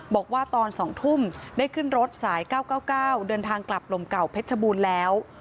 บอกว่าตอน๒ทุ่มได้ขึ้นรถสาย๙๙๙๙เดินทางกลับลมเก่าเพชรบูรณ์แล้ว